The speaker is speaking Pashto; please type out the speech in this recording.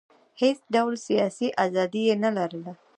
هېڅ ډول سیاسي ازادي یې نه لرله.